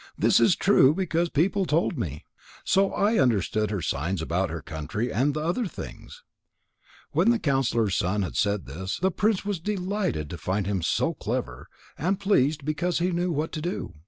This is true, because people told me. So I understood her signs about her country and the other things." When the counsellor's son had said this, the prince was delighted to find him so clever, and pleased because he knew what to do.